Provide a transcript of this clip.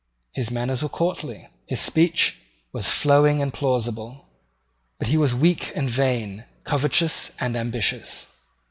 His manners were courtly: his speech was flowing and plausible; but he was weak and vain, covetous and ambitious.